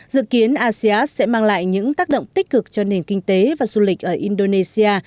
dự kiến asean sẽ mang lại những tác động tích cực cho nền kinh tế và du lịch ở indonesia